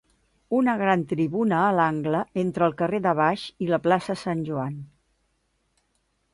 Una gran tribuna a l'angle entre el carrer de Baix i la Plaça Sant Joan.